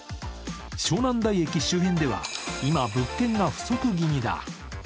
湘南台駅周辺では今、物件が不足気味だ。